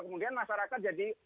kemudian masyarakat jadi